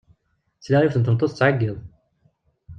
Sliɣ i yiwet n tmeṭṭut tettɛeyyiḍ.